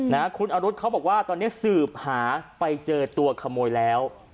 นะคุณอรุษเขาบอกว่าตอนนี้สืบหาไปเจอตัวขโมยแล้ว